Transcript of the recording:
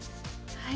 はい。